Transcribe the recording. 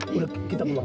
jalan jalan jalan